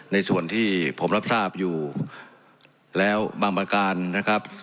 ในส่วนที่ผมรับทราบอยู่แล้วบางประการนะครับ